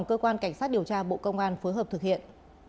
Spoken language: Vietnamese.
cơ quan cảnh sát điều tra bộ công an phối hợp thực hiện